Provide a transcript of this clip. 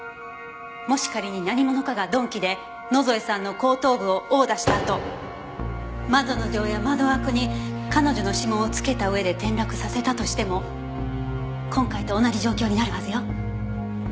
もし仮に何者かが鈍器で野添さんの後頭部を殴打したあと窓の錠や窓枠に彼女の指紋をつけた上で転落させたとしても今回と同じ状況になるはずよ。